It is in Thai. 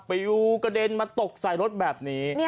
ยูกระเด็นมาตกใส่รถแบบนี้